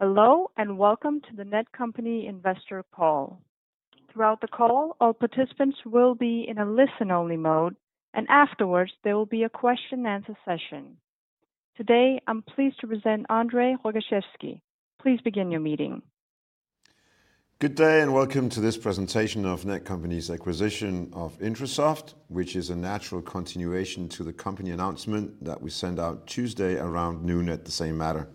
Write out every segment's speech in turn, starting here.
Hello, welcome to the Netcompany investor call. Throughout the call, all participants will be in a listen-only mode, and afterwards, there will be a question-and-answer session. Today, I'm pleased to present André Rogaczewski. Good day, and welcome to this presentation of Netcompany's acquisition of Intrasoft, which is a natural continuation to the company announcement that we sent out Tuesday around noon at the same matter.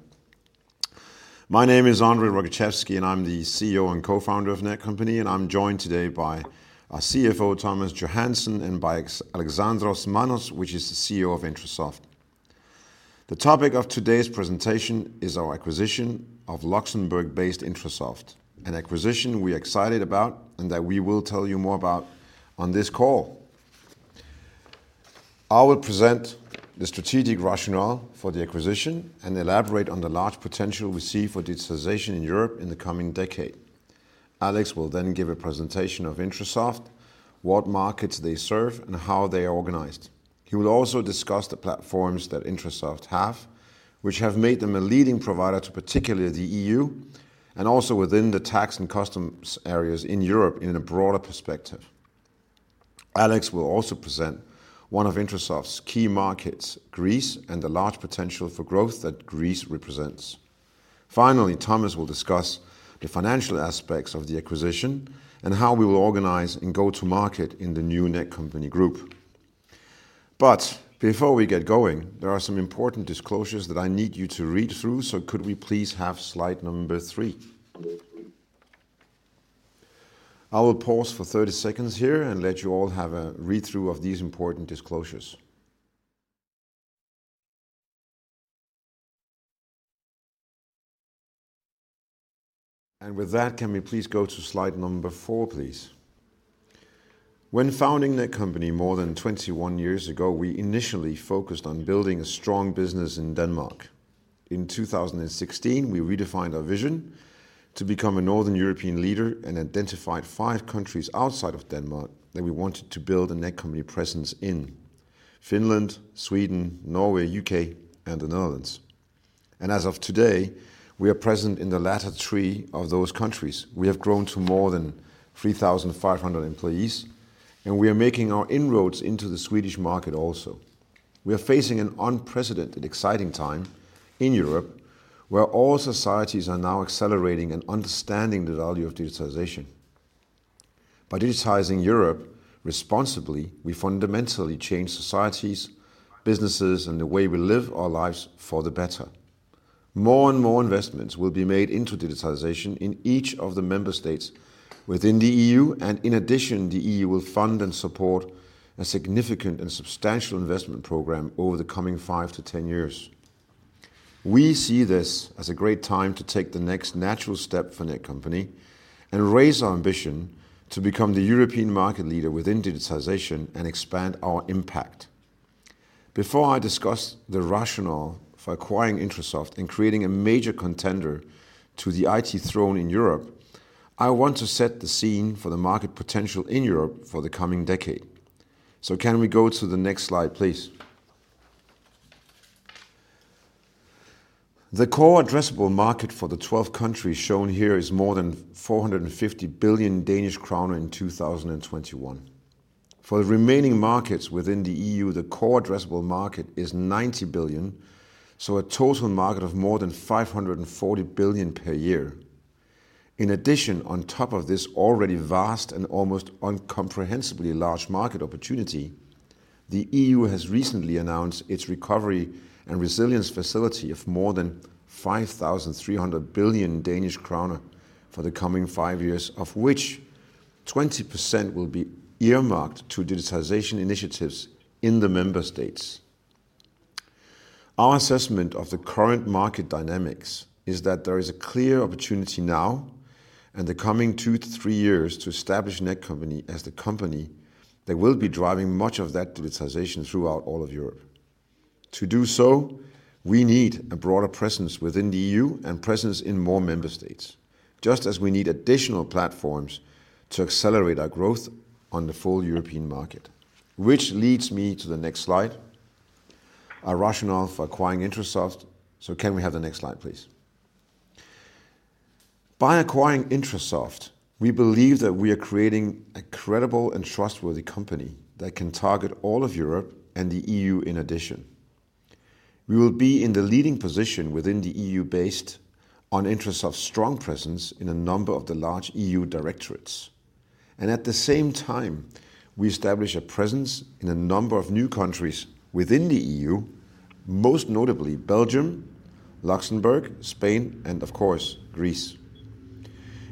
My name is André Rogaczewski, and I'm the CEO and co-founder of Netcompany, and I'm joined today by our CFO, Thomas Johansen, and by Alexandros Manos, which is the CEO of Intrasoft. The topic of today's presentation is our acquisition of Luxembourg-based Intrasoft, an acquisition we're excited about and that we will tell you more about on this call. I will present the strategic rationale for the acquisition and elaborate on the large potential we see for digitalization in Europe in the coming decade. Alex will then give a presentation of Intrasoft, what markets they serve, and how they are organized. He will also discuss the platforms that Intrasoft have, which have made them a leading provider to particularly the EU, and also within the tax and customs areas in Europe in a broader perspective. Alex will also present one of Intrasoft's key markets, Greece, and the large potential for growth that Greece represents. Finally, Thomas will discuss the financial aspects of the acquisition and how we will organize and go to market in the new Netcompany Group. Before we get going, there are some important disclosures that I need you to read through, so could we please have slide number three? I will pause for 30 seconds here and let you all have a read-through of these important disclosures. With that, can we please go to slide number four, please? When founding Netcompany more than 21 years ago, we initially focused on building a strong business in Denmark. In 2016, we redefined our vision to become a Northern European leader and identified five countries outside of Denmark that we wanted to build a Netcompany presence in: Finland, Sweden, Norway, U.K., and the Netherlands. As of today, we are present in the latter three of those countries. We have grown to more than 3,500 employees, and we are making our inroads into the Swedish market also. We are facing an unprecedented exciting time in Europe, where all societies are now accelerating and understanding the value of digitalization. By digitizing Europe responsibly, we fundamentally change societies, businesses, and the way we live our lives for the better. More and more investments will be made into digitalization in each of the member states within the EU, and in addition, the EU will fund and support a significant and substantial investment program over the coming 5-10 years. We see this as a great time to take the next natural step for Netcompany and raise our ambition to become the European market leader within digitalization and expand our impact. Before I discuss the rationale for acquiring Intrasoft and creating a major contender to the IT throne in Europe, I want to set the scene for the market potential in Europe for the coming decade. Can we go to the next slide, please? The core addressable market for the 12 countries shown here is more than 450 billion Danish kroner in 2021. For the remaining markets within the EU, the core addressable market is 90 billion, so a total market of more than 540 billion per year. In addition, on top of this already vast and almost incomprehensibly large market opportunity, the EU has recently announced its Recovery and Resilience Facility of more than 5,300 billion Danish kroner for the coming five years, of which 20% will be earmarked to digitalization initiatives in the member states. Our assessment of the current market dynamics is that there is a clear opportunity now and the coming two to three years to establish Netcompany as the company that will be driving much of that digitalization throughout all of Europe. To do so, we need a broader presence within the EU and presence in more member states, just as we need additional platforms to accelerate our growth on the full European market. Which leads me to the next slide, our rationale for acquiring Intrasoft. Can we have the next slide, please? By acquiring Intrasoft, we believe that we are creating a credible and trustworthy company that can target all of Europe and the EU in addition. We will be in the leading position within the EU based on Intrasoft's strong presence in a number of the large EU directorates. At the same time, we establish a presence in a number of new countries within the EU, most notably Belgium, Luxembourg, Spain, and of course, Greece.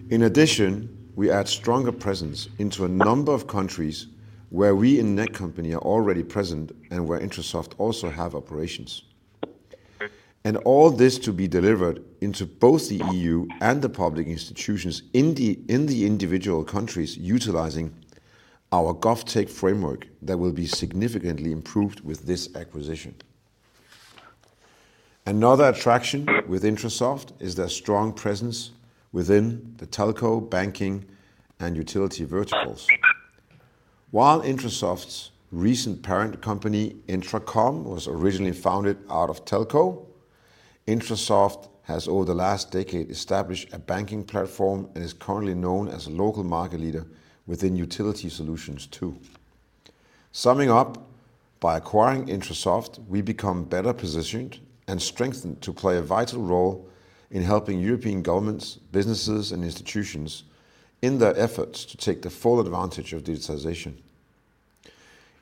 In addition, we add stronger presence into a number of countries where we in Netcompany are already present and where Intrasoft also have operations. All this to be delivered into both the EU and the public institutions in the individual countries utilizing our GovTech Framework that will be significantly improved with this acquisition. Another attraction with Intrasoft is their strong presence within the telco, banking, and utility verticals. Intrasoft's recent parent company, Intracom, was originally founded out of telco, Intrasoft has over the last decade established a banking platform and is currently known as a local market leader within utility solutions, too. Summing up, by acquiring Intrasoft, we become better positioned and strengthened to play a vital role in helping European governments, businesses, and institutions in their efforts to take the full advantage of digitization.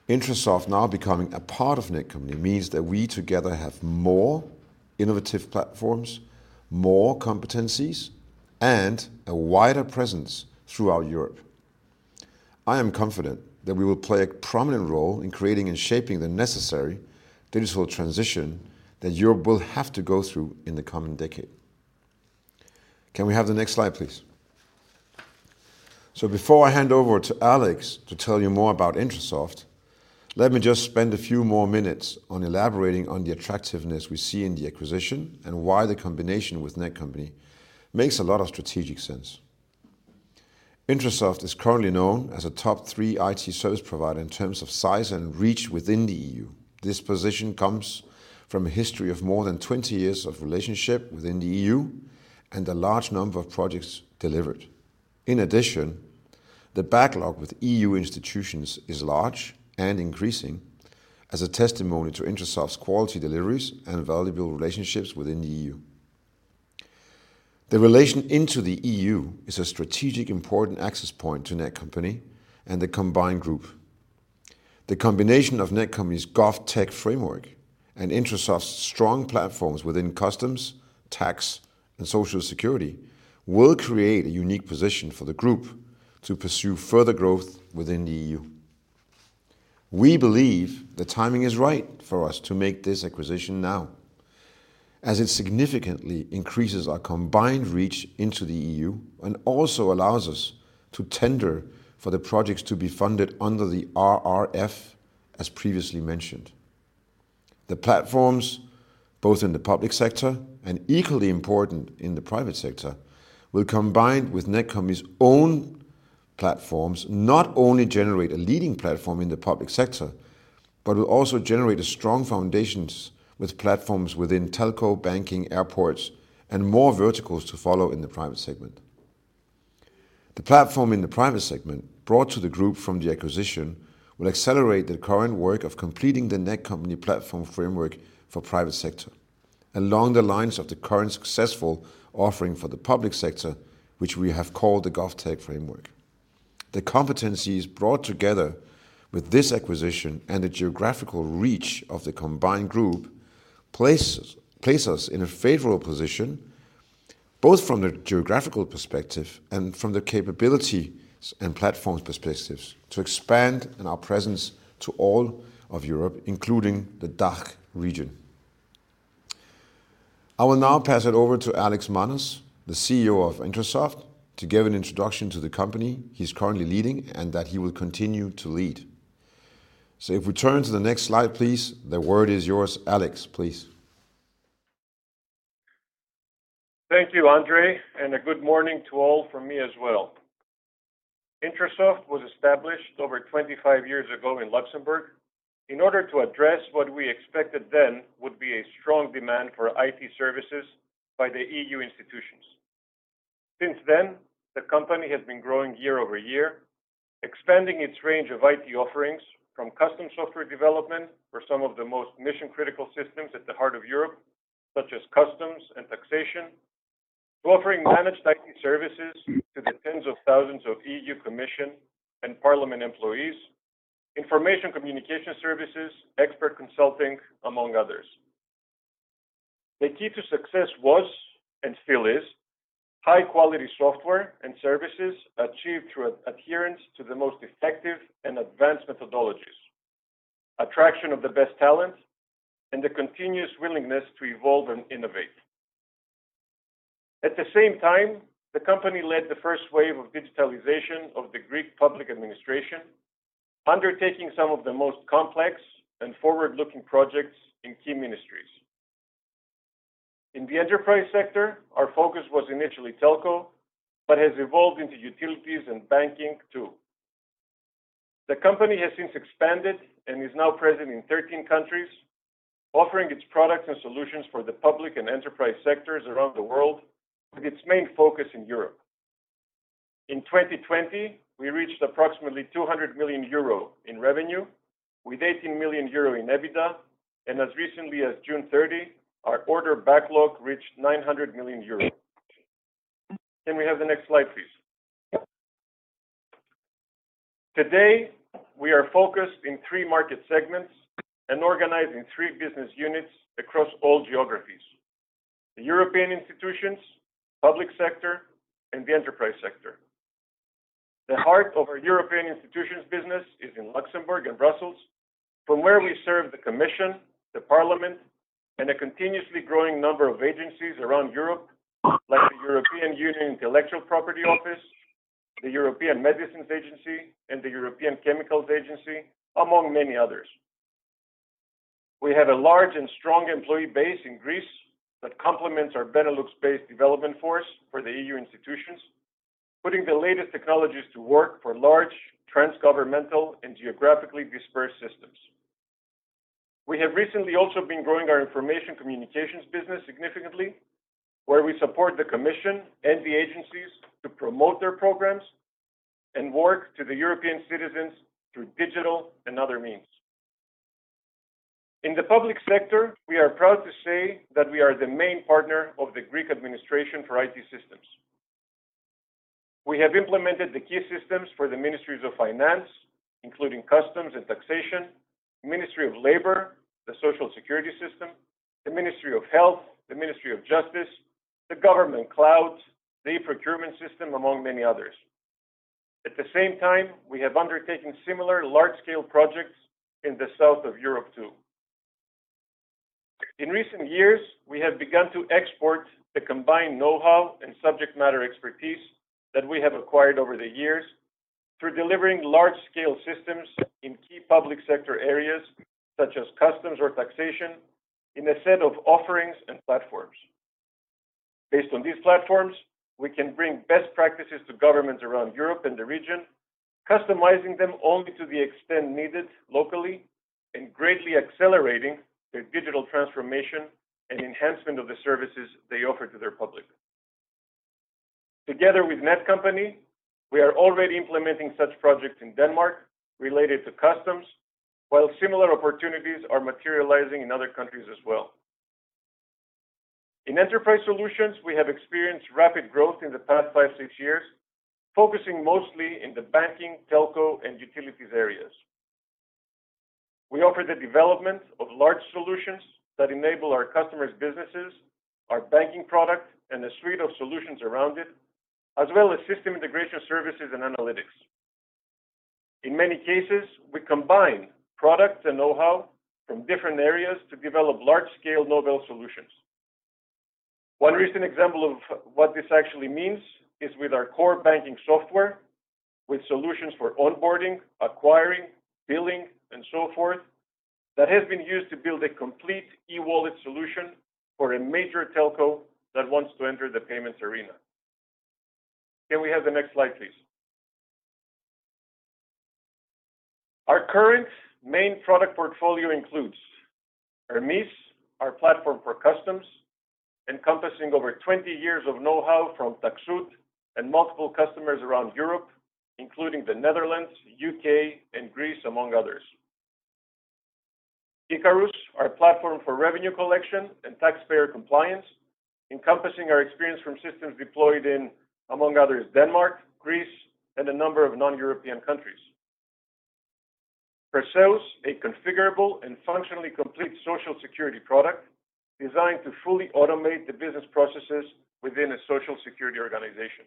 Intrasoft now becoming a part of Netcompany means that we together have more innovative platforms, more competencies, and a wider presence throughout Europe. I am confident that we will play a prominent role in creating and shaping the necessary digital transition that Europe will have to go through in the coming decade. Can we have the next slide, please? Before I hand over to Alex to tell you more about Intrasoft, let me just spend a few more minutes on elaborating on the attractiveness we see in the acquisition and why the combination with Netcompany makes a lot of strategic sense. Intrasoft is currently known as a top-three IT service provider in terms of size and reach within the EU. This position comes from a history of more than 20 years of relationship within the EU and a large number of projects delivered. In addition, the backlog with EU institutions is large and increasing as a testimony to Intrasoft's quality deliveries and valuable relationships within the EU. The relation into the EU is a strategic important access point to Netcompany and the combined group. The combination of Netcompany's GovTech Framework and Intrasoft's strong platforms within customs, tax, and social security will create a unique position for the group to pursue further growth within the EU. We believe the timing is right for us to make this acquisition now, as it significantly increases our combined reach into the EU and also allows us to tender for the projects to be funded under the RRF, as previously mentioned. The platforms, both in the public sector and equally important in the private sector, will combine with Netcompany's own platforms, not only generate a leading platform in the public sector, but will also generate strong foundations with platforms within telco, banking, airports, and more verticals to follow in the private segment. The platform in the private segment brought to the group from the acquisition will accelerate the current work of completing the Netcompany platform framework for private sector, along the lines of the current successful offering for the public sector, which we have called the GovTech Framework. The competencies brought together with this acquisition and the geographical reach of the combined group place us in a favorable position, both from the geographical perspective and from the capability and platforms perspectives, to expand our presence to all of Europe, including the DACH region. I will now pass it over to Alex Manos, the CEO of Intrasoft, to give an introduction to the company he's currently leading and that he will continue to lead. If we turn to the next slide, please. The word is yours, Alex, please. Thank you, André, and a good morning to all from me as well. Intrasoft was established over 25 years ago in Luxembourg in order to address what we expected then would be a strong demand for IT services by the EU institutions. Since then, the company has been growing year-over-year, expanding its range of IT offerings from custom software development for some of the most mission-critical systems at the heart of Europe, such as customs and taxation, to offering managed IT services to the tens of thousands of EU Commission and Parliament employees, information communication services, expert consulting, among others. The key to success was, and still is, high-quality software and services achieved through adherence to the most effective and advanced methodologies, attraction of the best talent, and the continuous willingness to evolve and innovate. At the same time, the company led the first wave of digitalization of the Greek public administration, undertaking some of the most complex and forward-looking projects in key ministries. In the enterprise sector, our focus was initially telco, but has evolved into utilities and banking, too. The company has since expanded and is now present in 13 countries, offering its products and solutions for the public and enterprise sectors around the world, with its main focus in Europe. In 2020, we reached approximately 200 million euro in revenue, with 18 million euro in EBITDA, and as recently as June 30, our order backlog reached 900 million euro. Can we have the next slide, please? Today, we are focused in three market segments and organized in three business units across all geographies. The European institutions, public sector, and the enterprise sector. The heart of our European Institutions business is in Luxembourg and Brussels, from where we serve the Commission, the Parliament, and a continuously growing number of agencies around Europe, like the European Union Intellectual Property Office, the European Medicines Agency, and the European Chemicals Agency, among many others. We have a large and strong employee base in Greece that complements our Benelux-based development force for the EU Institutions, putting the latest technologies to work for large trans-governmental and geographically dispersed systems. We have recently also been growing our information communications business significantly, where we support the Commission and the agencies to promote their programs and work to the European citizens through digital and other means. In the public sector, we are proud to say that we are the main partner of the Greek administration for IT systems. We have implemented the key systems for the Ministries of Finance, including customs and taxation, Ministry of Labor, the social security system, the Ministry of Health, the Ministry of Justice, the government clouds, the e-procurement system, among many others. At the same time, we have undertaken similar large-scale projects in the south of Europe too. In recent years, we have begun to export the combined know-how and subject matter expertise that we have acquired over the years through delivering large-scale systems in key public sector areas, such as customs or taxation, in a set of offerings and platforms. Based on these platforms, we can bring best practices to governments around Europe and the region, customizing them only to the extent needed locally and greatly accelerating their digital transformation and enhancement of the services they offer to their public. Together with Netcompany, we are already implementing such projects in Denmark related to customs, while similar opportunities are materializing in other countries as well. In enterprise solutions, we have experienced rapid growth in the past five, six years, focusing mostly in the banking, telco, and utilities areas. We offer the development of large solutions that enable our customers' businesses, our banking product, and a suite of solutions around it, as well as system integration services and analytics. In many cases, we combine products and know-how from different areas to develop large-scale novel solutions. One recent example of what this actually means is with our core banking software, with solutions for onboarding, acquiring, billing, and so forth, that has been used to build a complete e-wallet solution for a major telco that wants to enter the payments arena. Can we have the next slide, please? Our current main product portfolio includes ERMIS, our platform for customs, encompassing over 20 years of know-how from Taxud and multiple customers around Europe, including the Netherlands, U.K., and Greece, among others. ICARUS, our platform for revenue collection and taxpayer compliance, encompassing our experience from systems deployed in, among others, Denmark, Greece, and a number of non-European countries. PERSEUS, a configurable and functionally complete Social Security product designed to fully automate the business processes within a Social Security organization.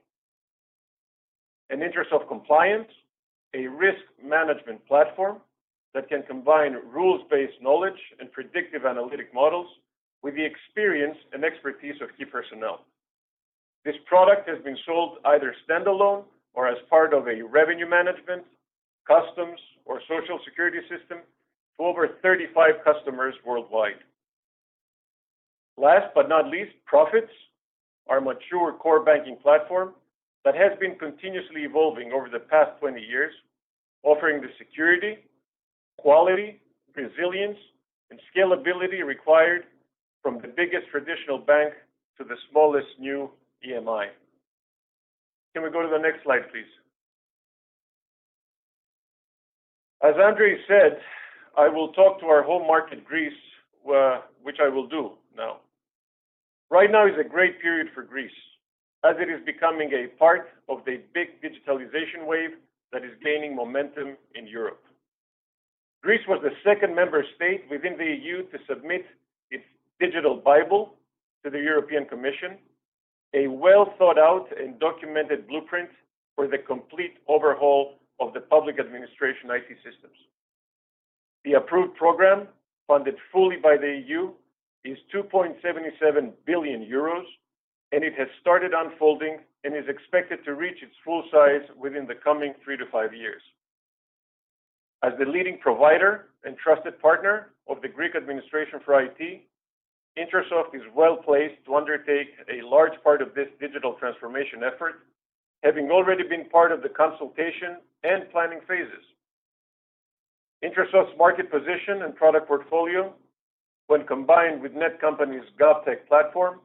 INTRASOFT Compliance, a risk management platform that can combine rules-based knowledge and predictive analytic models with the experience and expertise of key personnel. This product has been sold either standalone or as part of a revenue management, customs, or Social Security system to over 35 customers worldwide. Last but not least, PROFITS, our mature core banking platform that has been continuously evolving over the past 20 years, offering the security, quality, resilience, and scalability required from the biggest traditional bank to the smallest new EMI. Can we go to the next slide, please? As André said, I will talk to our home market, Greece, which I will do now. Right now is a great period for Greece, as it is becoming a part of the big digitalization wave that is gaining momentum in Europe. Greece was the second member state within the EU to submit its Digital Transformation Bible to the European Commission, a well-thought-out and documented blueprint for the complete overhaul of the public administration IT systems. The approved program, funded fully by the EU, is 2.77 billion euros, and it has started unfolding and is expected to reach its full size within the coming three to five years. As the leading provider and trusted partner of the Greek administration for IT, Intrasoft is well-placed to undertake a large part of this digital transformation effort, having already been part of the consultation and planning phases. Intrasoft's market position and product portfolio, when combined with Netcompany's GovTech platform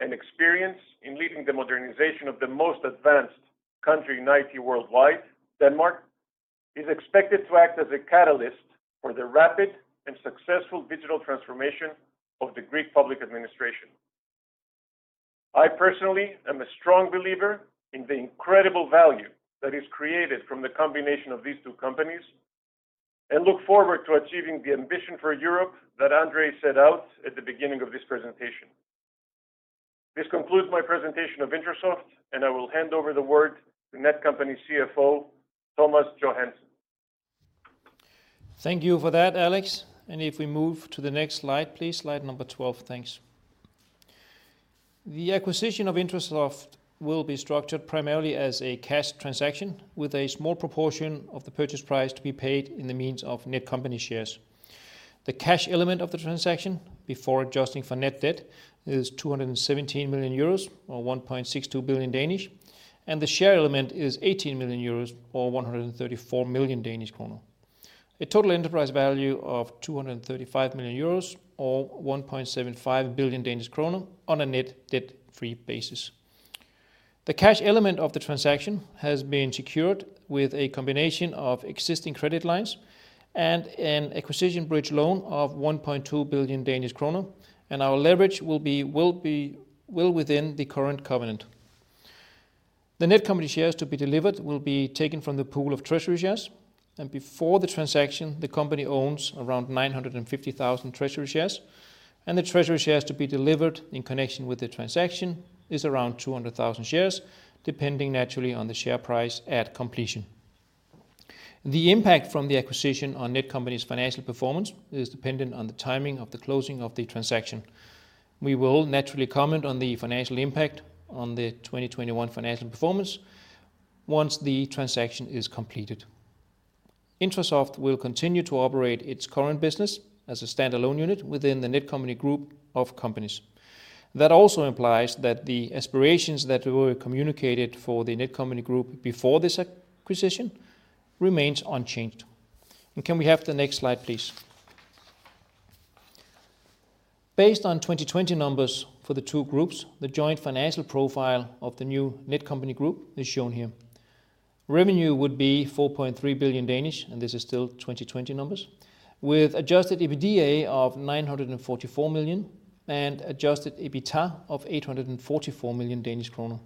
and experience in leading the modernization of the most advanced country in IT worldwide, Denmark, is expected to act as a catalyst for the rapid and successful digital transformation of the Greek public administration. I personally am a strong believer in the incredible value that is created from the combination of these two companies and look forward to achieving the ambition for Europe that André set out at the beginning of this presentation. This concludes my presentation of Intrasoft, and I will hand over the word to Netcompany CFO, Thomas Johansen. Thank you for that, Alex. If we move to the next slide, please, slide number 12. Thanks. The acquisition of Intrasoft will be structured primarily as a cash transaction with a small proportion of the purchase price to be paid in the means of Netcompany shares. The cash element of the transaction, before adjusting for net debt, is 217 million euros or 1.62 billion. The share element is 18 million euros or 134 million Danish kroner. A total enterprise value of 235 million euros or 1.75 billion Danish kroner on a net debt-free basis. The cash element of the transaction has been secured with a combination of existing credit lines and an acquisition bridge loan of 1.2 billion Danish krone, and our leverage will be well within the current covenant. The Netcompany shares to be delivered will be taken from the pool of treasury shares. Before the transaction, the company owns around 950,000 treasury shares, and the treasury shares to be delivered in connection with the transaction is around 200,000 shares, depending naturally on the share price at completion. The impact from the acquisition on Netcompany's financial performance is dependent on the timing of the closing of the transaction. We will naturally comment on the financial impact on the 2021 financial performance once the transaction is completed. Intrasoft will continue to operate its current business as a standalone unit within the Netcompany Group of companies. That also implies that the aspirations that were communicated for the Netcompany Group before this acquisition remains unchanged. Can we have the next slide, please? Based on 2020 numbers for the two groups, the joint financial profile of the new Netcompany Group is shown here. Revenue would be 4.3 billion, and this is still 2020 numbers, with adjusted EBITDA of 944 million and adjusted EBITA of 844 million Danish kroner.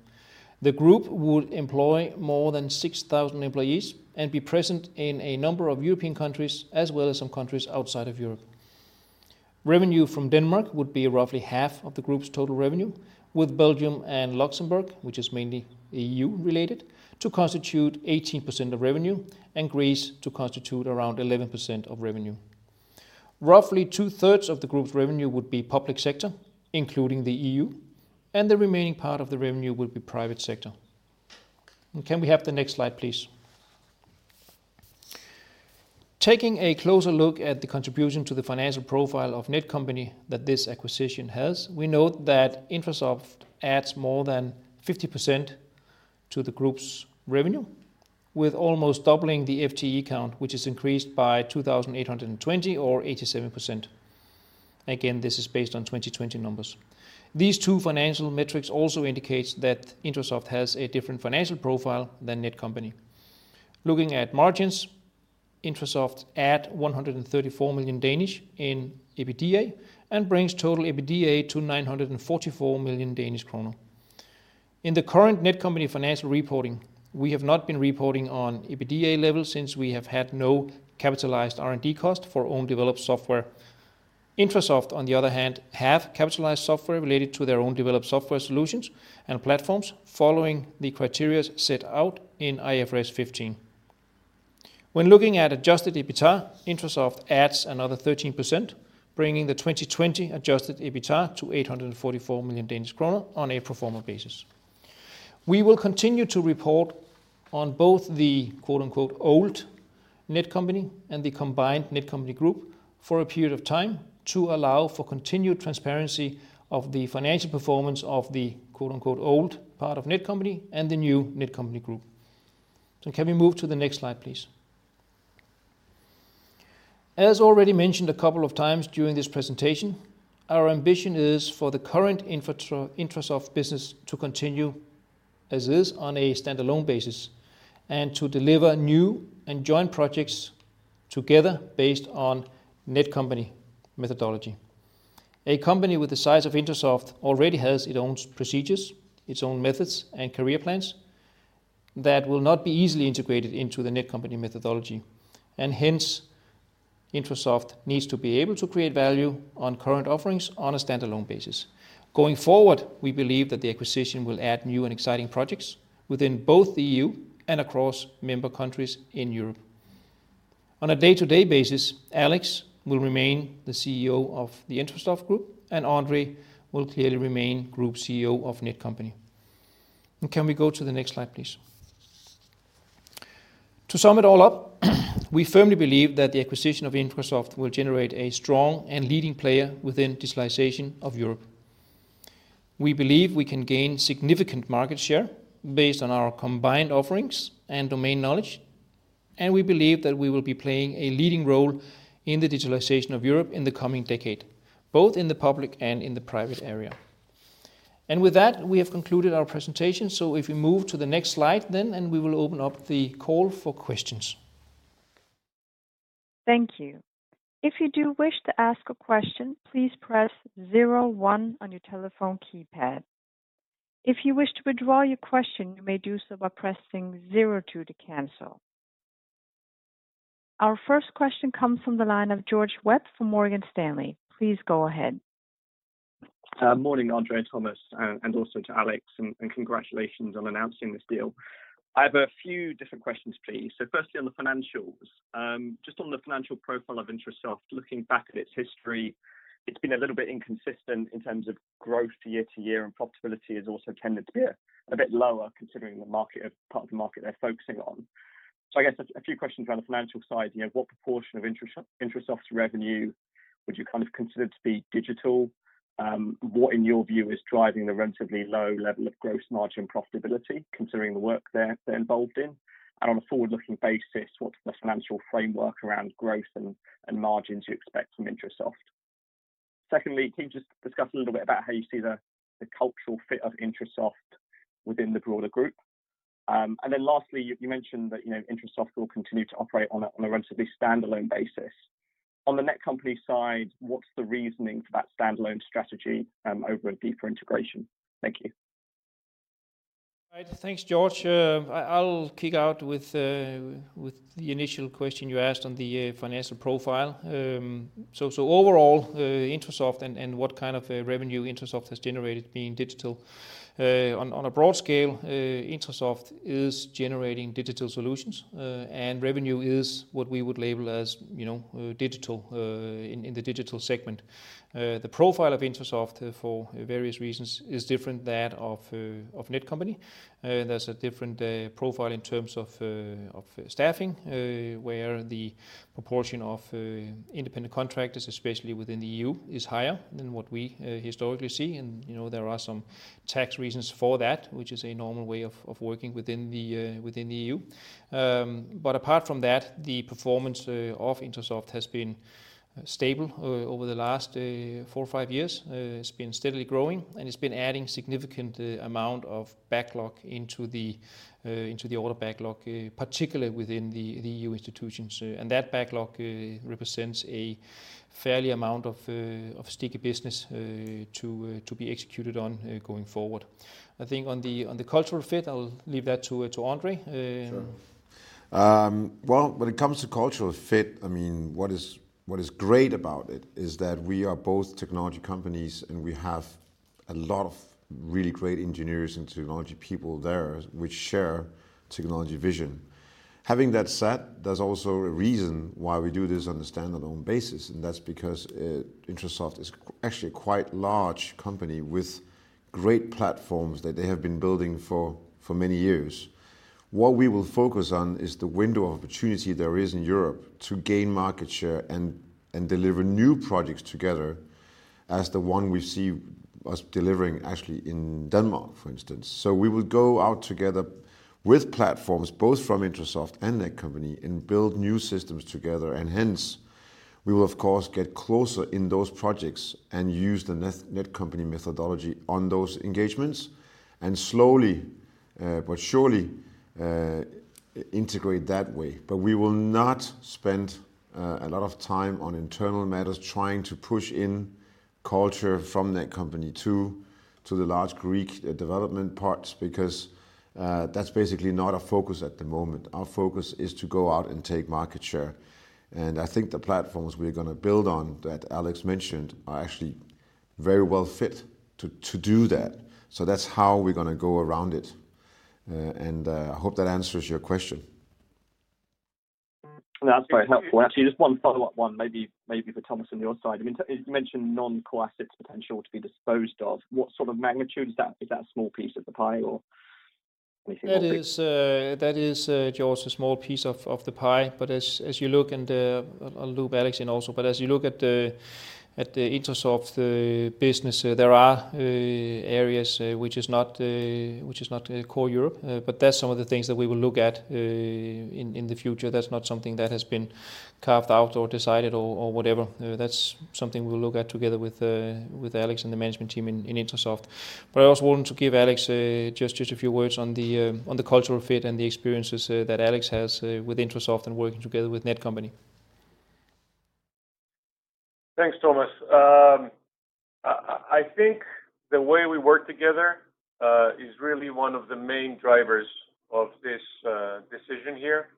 The group would employ more than 6,000 employees and be present in a number of European countries as well as some countries outside of Europe. Revenue from Denmark would be roughly half of the group's total revenue, with Belgium and Luxembourg, which is mainly EU-related, to constitute 18% of revenue and Greece to constitute around 11% of revenue. Roughly 2/3 of the group's revenue would be public sector, including the EU, and the remaining part of the revenue would be private sector. Can we have the next slide, please? Taking a closer look at the contribution to the financial profile of Netcompany that this acquisition has, we note that Intrasoft adds more than 50% to the group's revenue, with almost doubling the FTE count, which is increased by 2,820 or 87%. Again, this is based on 2020 numbers. These two financial metrics also indicates that Intrasoft has a different financial profile than Netcompany. Looking at margins, Intrasoft add 134 million in EBITDA and brings total EBITDA to 944 million Danish kroner. In the current Netcompany financial reporting, we have not been reporting on EBITDA levels since we have had no capitalized R&D cost for own developed software. Intrasoft, on the other hand, have capitalized software related to their own developed software solutions and platforms following the criterias set out in IFRS 15. When looking at adjusted EBITA, Intrasoft adds another 13%, bringing the 2020 adjusted EBITA to 844 million Danish kroner on a pro forma basis. We will continue to report on both the "old Netcompany" and the combined Netcompany group for a period of time to allow for continued transparency of the financial performance of the "old part of Netcompany" and the new Netcompany group. Can we move to the next slide, please? As already mentioned a couple of times during this presentation, our ambition is for the current Intrasoft business to continue as is on a standalone basis and to deliver new and joint projects together based on Netcompany methodology. A company with the size of Intrasoft already has its own procedures, its own methods, and career plans that will not be easily integrated into the Netcompany methodology. Hence, Intrasoft needs to be able to create value on current offerings on a standalone basis. Going forward, we believe that the acquisition will add new and exciting projects within both the EU and across member countries in Europe. On a day-to-day basis, Alex will remain the CEO of the Intrasoft group, and André will clearly remain Group CEO of Netcompany. Can we go to the next slide, please? To sum it all up, we firmly believe that the acquisition of Intrasoft will generate a strong and leading player within digitalization of Europe. We believe we can gain significant market share based on our combined offerings and domain knowledge. We believe that we will be playing a leading role in the digitalization of Europe in the coming decade, both in the public and in the private area. With that, we have concluded our presentation. If we move to the next slide, we will open up the call for questions. Thank you. If you do wish to ask a question, please press zero one on your telephone keypad. If you wish to withdraw your question, you may do so by pressing zero two to cancel. Our first question comes from the line of George Webb from Morgan Stanley. Please go ahead. Morning, André, Thomas, and also to Alex, and congratulations on announcing this deal. I have a few different questions, please. Firstly, on the financials. Just on the financial profile of Intrasoft, looking back at its history, it has been a little bit inconsistent in terms of growth year to year, and profitability has also tended to be a bit lower considering the part of the market they are focusing on. I guess a few questions around the financial side. What proportion of Intrasoft's revenue would you consider to be digital? What, in your view, is driving the relatively low level of gross margin profitability considering the work they are involved in? On a forward-looking basis, what is the financial framework around growth and margins you expect from Intrasoft? Secondly, can you just discuss a little bit about how you see the cultural fit of Intrasoft within the broader group? Lastly, you mentioned that Intrasoft will continue to operate on a relatively standalone basis. On the Netcompany side, what's the reasoning for that standalone strategy over a deeper integration? Thank you. Thanks, George. I'll kick out with the initial question you asked on the financial profile. Overall, Intrasoft and what kind of revenue Intrasoft has generated being digital. On a broad scale, Intrasoft is generating digital solutions, and revenue is what we would label as in the digital segment. The profile of Intrasoft, for various reasons, is different that of Netcompany. There's a different profile in terms of staffing, where the proportion of independent contractors, especially within the EU, is higher than what we historically see. There are some tax reasons for that, which is a normal way of working within the EU. Apart from that, the performance of Intrasoft has been stable over the last four or five years. It's been steadily growing, and it's been adding significant amount of backlog into the order backlog, particularly within the EU institutions. That backlog represents a fair amount of sticky business to be executed on going forward. I think on the cultural fit, I'll leave that to André. Sure. Well, when it comes to cultural fit, what is great about it is that we are both technology companies, and we have a lot of really great engineers and technology people there which share technology vision. Having that said, there's also a reason why we do this on a standalone basis, and that's because Intrasoft is actually a quite large company with great platforms that they have been building for many years. What we will focus on is the window of opportunity there is in Europe to gain market share and deliver new projects together as the one we see us delivering actually in Denmark, for instance. We will go out together with platforms both from Intrasoft and Netcompany and build new systems together, and hence, we will of course, get closer in those projects and use the Netcompany methodology on those engagements, and slowly but surely integrate that way. We will not spend a lot of time on internal matters trying to push in culture from Netcompany to the large Greek development parts, because that's basically not our focus at the moment. Our focus is to go out and take market share. I think the platforms we're going to build on, that Alex mentioned, are actually very well fit to do that. That's how we're going to go around it. I hope that answers your question. That's very helpful. Actually, just one follow-up one, maybe for Thomas on your side. You mentioned non-core assets potential to be disposed of. What sort of magnitude is that? Is that a small piece of the pie, or anything more big? That is, George, a small piece of the pie. As you look, and I'll loop Alex in also, as you look at the Intrasoft business, there are areas which is not core Europe. That's some of the things that we will look at in the future. That's not something that has been carved out or decided or whatever. That's something we'll look at together with Alex and the management team in Intrasoft. I also wanted to give Alex just a few words on the cultural fit and the experiences that Alex has with Intrasoft and working together with Netcompany. Thanks, Thomas. I think the way we work together is really one of the main drivers of this decision here.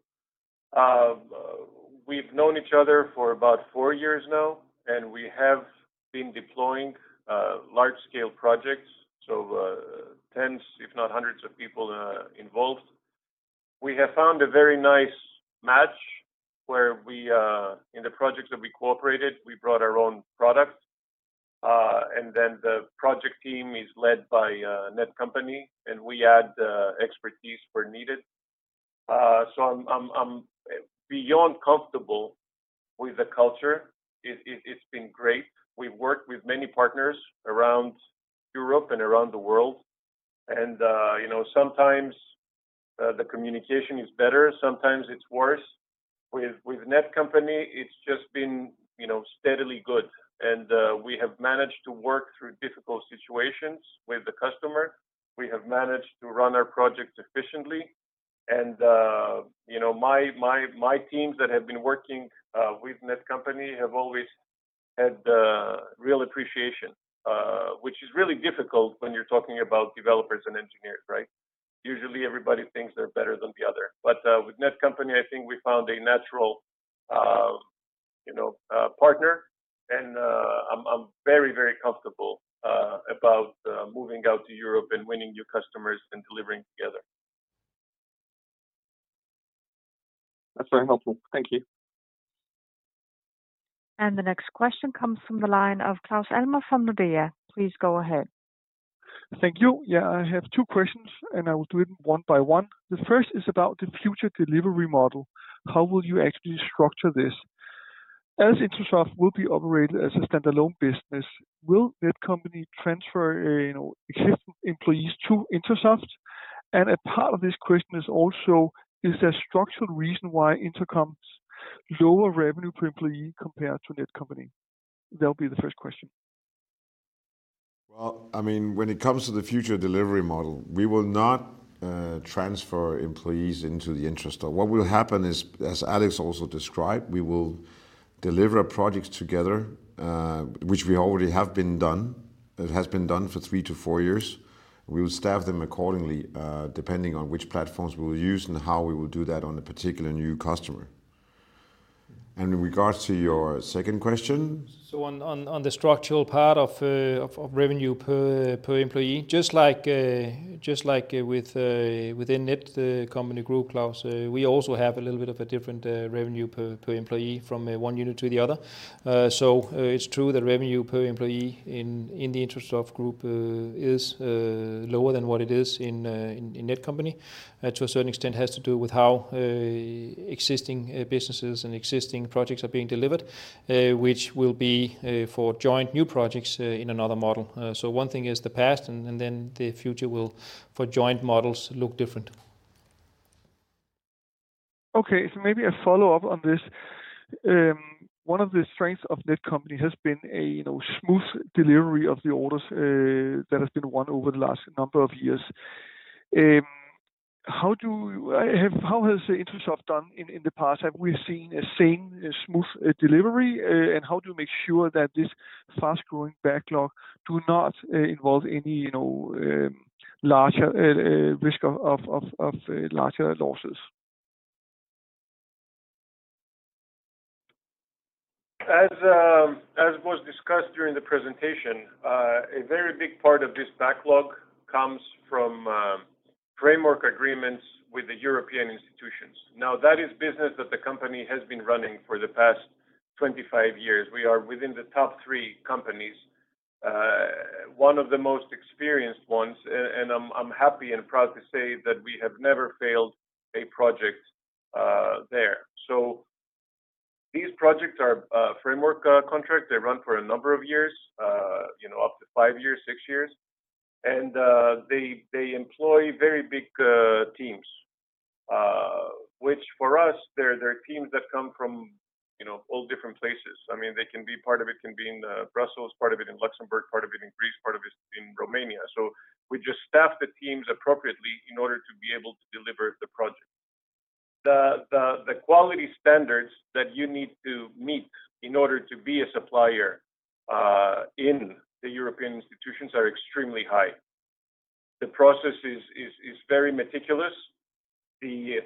We've known each other for about four years now. We have been deploying large-scale projects, tens if not hundreds of people involved. We have found a very nice match where we, in the projects that we cooperated, we brought our own product. The project team is led by Netcompany. We add expertise where needed. I'm beyond comfortable with the culture. It's been great. We've worked with many partners around Europe and around the world. Sometimes the communication is better, sometimes it's worse. With Netcompany, it's just been steadily good. We have managed to work through difficult situations with the customer. We have managed to run our projects efficiently. My teams that have been working with Netcompany have always had real appreciation, which is really difficult when you are talking about developers and engineers, right? Usually everybody thinks they are better than the other. With Netcompany, I think we found a natural partner, and I am very comfortable about moving out to Europe and winning new customers and delivering together. That's very helpful. Thank you. The next question comes from the line of Claus Almer from Nordea. Please go ahead. Thank you. Yeah, I have two questions. I will do it one by one. The first is about the future delivery model. How will you actually structure this? As Intrasoft will be operated as a standalone business, will Netcompany transfer existing employees to Intrasoft? A part of this question is also, is there structural reason why Intrasoft's lower revenue per employee compared to Netcompany? That'll be the first question. Well, when it comes to the future delivery model, we will not transfer employees into the Intrasoft. What will happen is, as Alex also described, we will deliver projects together, which we already have been done. It has been done for three to four years. We will staff them accordingly, depending on which platforms we will use and how we will do that on a particular new customer. In regards to your second question. On the structural part of revenue per employee, just like within Netcompany Group, Claus, we also have a little bit of a different revenue per employee from one unit to the other. It's true that revenue per employee in the Intrasoft group is lower than what it is in Netcompany. To a certain extent, it has to do with how existing businesses and existing projects are being delivered, which will be for joint new projects in another model. One thing is the past, and then the future will, for joint models, look different. Okay, maybe a follow-up on this. One of the strengths of Netcompany has been a smooth delivery of the orders that has been won over the last number of years. How has Intrasoft done in the past? Have we seen a same smooth delivery? How do you make sure that this fast-growing backlog do not involve any larger risk of larger losses? As was discussed during the presentation, a very big part of this backlog comes from framework agreements with the European institutions. That is business that the company has been running for the past 25 years. We are within the top three companies, one of the most experienced ones, and I'm happy and proud to say that we have never failed a project there. These projects are framework contracts. They run for a number of years, up to five years, six years. They employ very big teams, which for us, they're teams that come from all different places. Part of it can be in Brussels, part of it in Luxembourg, part of it in Greece, part of it in Romania. We just staff the teams appropriately in order to be able to deliver the project. The quality standards that you need to meet in order to be a supplier in the European institutions are extremely high. The process is very meticulous. The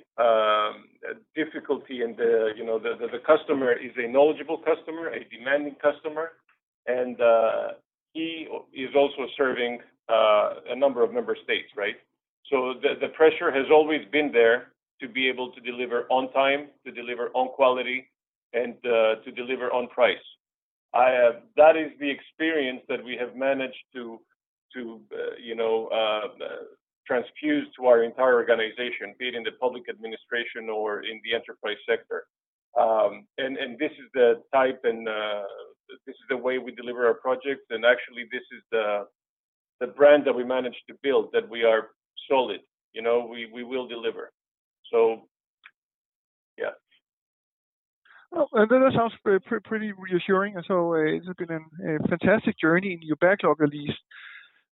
difficulty and the customer is a knowledgeable customer, a demanding customer, and he is also serving a number of member states, right? The pressure has always been there to be able to deliver on time, to deliver on quality, and to deliver on price. That is the experience that we have managed to transfuse to our entire organization, be it in the public administration or in the enterprise sector. This is the type and this is the way we deliver our projects. Actually, this is the brand that we managed to build, that we are solid. We will deliver. Yeah. That sounds pretty reassuring. It has been a fantastic journey in your backlog, at least.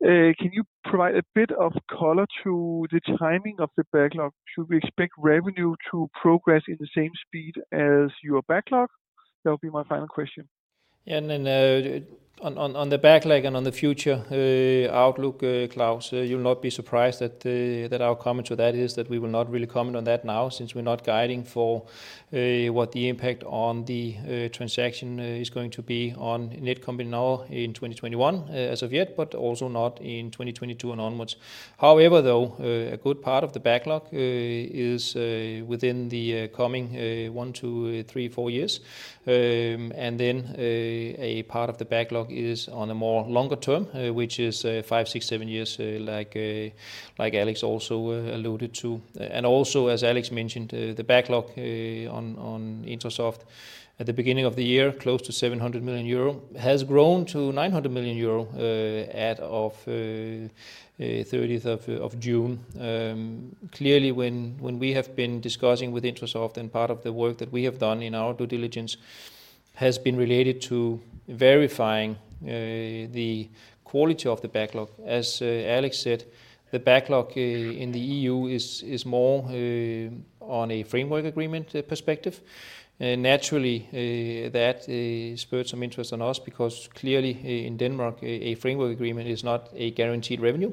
Can you provide a bit of color to the timing of the backlog? Should we expect revenue to progress in the same speed as your backlog? That'll be my final question. Yeah. On the backlog and on the future outlook, Claus, you'll not be surprised that our comment to that is that we will not really comment on that now since we're not guiding for what the impact on the transaction is going to be on Netcompany now in 2021 as of yet, but also not in 2022 and onwards. However, though, a good part of the backlog is within the coming one to three, four years. A part of the backlog is on a more longer term, which is five, six, seven years, like Alex also alluded to. Also, as Alex mentioned, the backlog on Intrasoft at the beginning of the year, close to 700 million euro, has grown to 900 million euro as of 30th of June. Clearly, when we have been discussing with Intrasoft and part of the work that we have done in our due diligence has been related to verifying the quality of the backlog. As Alex said, the backlog in the EU is more on a framework agreement perspective. Naturally, that spurred some interest on us because clearly in Denmark, a framework agreement is not a guaranteed revenue.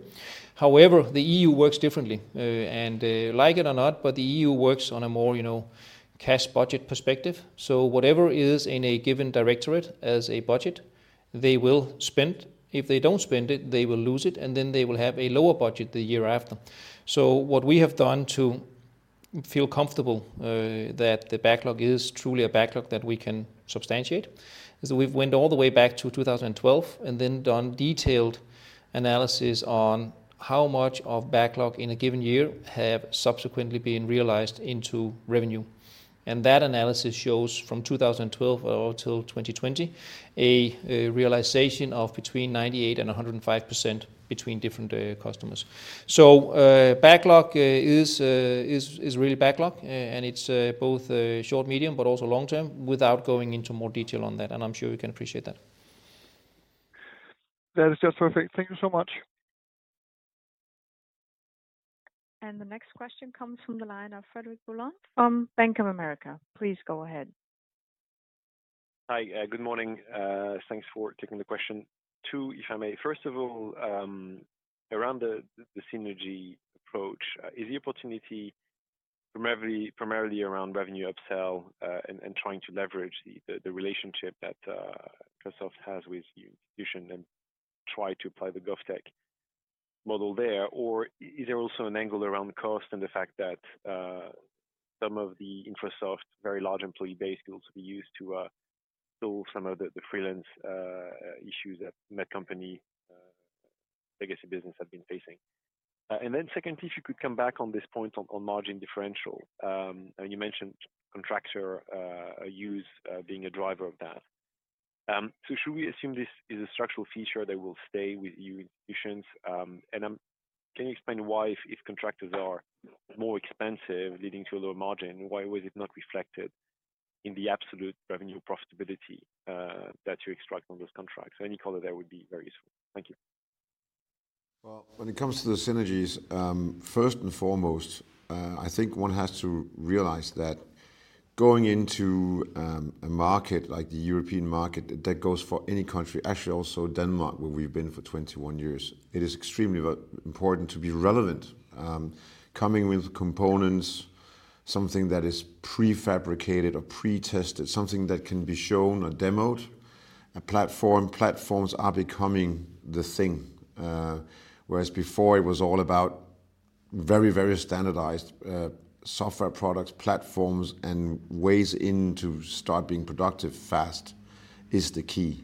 However, the EU works differently, and like it or not, but the EU works on a more cash budget perspective. Whatever is in a given directorate as a budget, they will spend. If they don't spend it, they will lose it, and then they will have a lower budget the year after. What we have done to feel comfortable that the backlog is truly a backlog that we can substantiate, is that we've went all the way back to 2012 and then done detailed analysis on how much of backlog in a given year have subsequently been realized into revenue. That analysis shows from 2012 till 2020, a realization of between 98% and 105% between different customers. Backlog is really backlog, and it's both short, medium, but also long-term, without going into more detail on that, and I'm sure you can appreciate that. That is just perfect. Thank you so much. The next question comes from the line of Frederic Boulan from Bank of America. Please go ahead. Hi. Good morning. Thanks for taking the question, too, if I may. First of all, around the synergy approach, is the opportunity primarily around revenue upsell, and trying to leverage the relationship that Intrasoft has with you, and try to apply the GovTech model there? Or is there also an angle around the cost and the fact that some of the Intrasoft very large employee base will also be used to solve some of the freelance issues that Netcompany legacy business have been facing? Secondly, if you could come back on this point on margin differential. You mentioned contractor use being a driver of that. Should we assume this is a structural feature that will stay with you? Can you explain why if contractors are more expensive, leading to a lower margin, why was it not reflected in the absolute revenue profitability that you extract on those contracts? Any color there would be very useful. Thank you. When it comes to the synergies, first and foremost, I think one has to realize that going into a market like the European market, that goes for any country, actually also Denmark, where we've been for 21 years, it is extremely important to be relevant. Coming with components, something that is prefabricated or pre-tested, something that can be shown or demoed. Platforms are becoming the thing. Whereas before it was all about very standardized software products, platforms and ways in to start being productive fast is the key.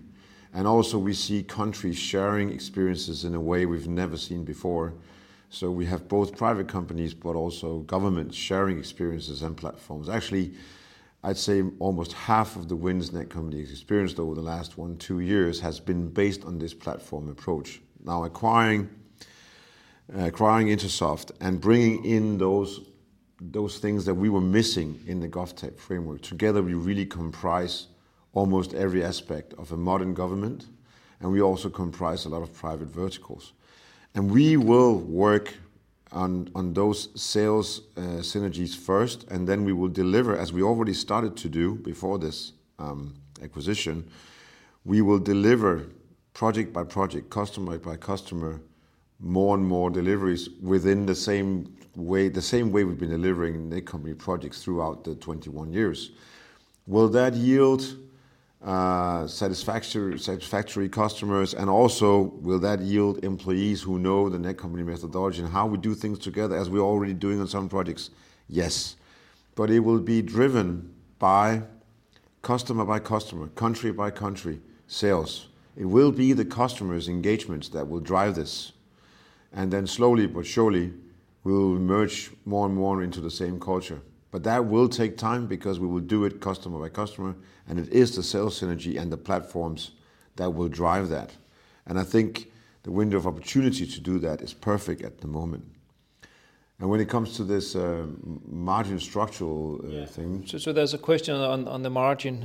Also we see countries sharing experiences in a way we've never seen before. We have both private companies, but also governments sharing experiences and platforms. Actually, I'd say almost half of the wins Netcompany has experienced over the last one, two years has been based on this platform approach. Acquiring Intrasoft and bringing in those things that we were missing in the GovTech Framework. Together, we really comprise almost every aspect of a modern government, and we also comprise a lot of private verticals. We will work on those sales synergies first, and then we will deliver, as we already started to do before this acquisition, we will deliver project by project, customer by customer, more and more deliveries within the same way we've been delivering Netcompany projects throughout the 21 years. Will that yield satisfactory customers, and also will that yield employees who know the Netcompany methodology and how we do things together as we're already doing on some projects? Yes. It will be driven by customer by customer, country by country sales. It will be the customer's engagements that will drive this. Slowly but surely, we will merge more and more into the same culture. That will take time because we will do it customer by customer, and it is the sales synergy and the platforms that will drive that. I think the window of opportunity to do that is perfect at the moment. When it comes to this margin structural thing. Yeah. There's a question on the margin,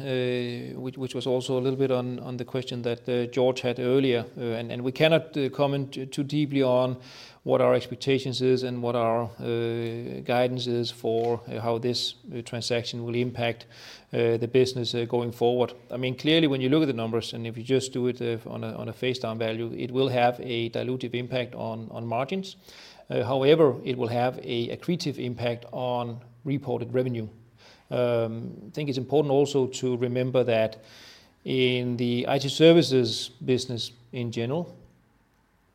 which was also a little bit on the question that George had earlier. We cannot comment too deeply on what our expectations is and what our guidance is for how this transaction will impact the business going forward. Clearly, when you look at the numbers, and if you just do it on a face value, it will have a dilutive impact on margins. However, it will have a accretive impact on reported revenue. I think it's important also to remember that in the IT services business in general,